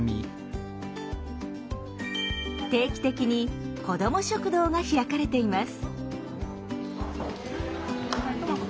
定期的に「子ども食堂」が開かれています。